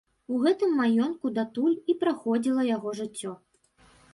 У гэтым маёнтку датуль і праходзіла яго жыццё.